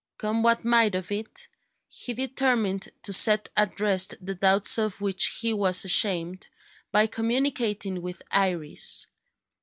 Come what might of it, he determined to set at rest the doubts of which he was ashamed, by communicating with Iris.